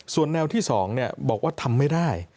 ส่วนแนวที่๒บอกว่าทำไม่ได้